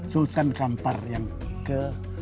sultan kampar yang ke tiga belas